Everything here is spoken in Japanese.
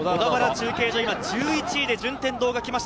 １１位で順天堂が来ました。